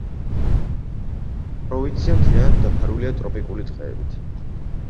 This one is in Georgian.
პროვინცია მთლიანად დაფარულია ტროპიკული ტყეებით.